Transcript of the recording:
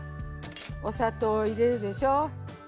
お砂糖入れるでしょ。